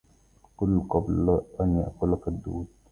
كل قبل أن يأكلك الدود